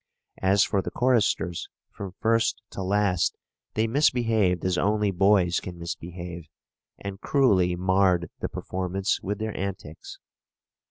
As for the choristers, from first to last they misbehaved as only boys can misbehave; and cruelly marred the performance with their antics.